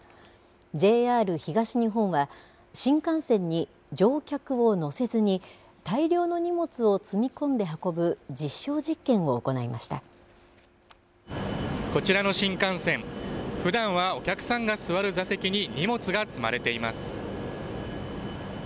ＪＲ東日本は新幹線に乗客を乗せずに大量の荷物を積み込んで運ぶこちらの新幹線ふだんはお客さんが座る座席に荷物が積まれています。